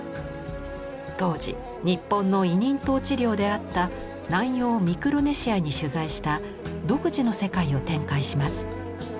当時日本の委任統治領であった南洋ミクロネシアに取材した独自の世界を展開します。